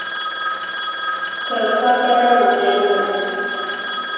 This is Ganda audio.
Kwe kwava n'olugero olwo.